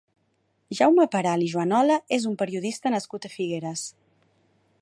Jaume Peral i Juanola és un periodista nascut a Figueres.